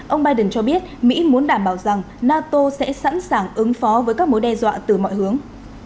ông biden cho biết mỹ muốn đảm bảo rằng nato sẽ sẵn sàng ứng phó với các mối đe dọa từ mọi hướng